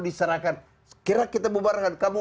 diserahkan kira kita bubarkan kamu